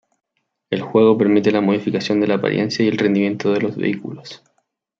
El juego permite la modificación de la apariencia y el rendimiento de los vehículos.